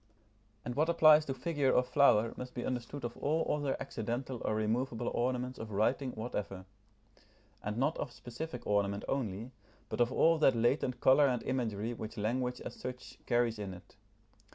And what applies to figure or flower must be understood of all other accidental or removable ornaments of writing whatever; and not of specific ornament only, but of all that latent colour and imagery which language as such carries in it.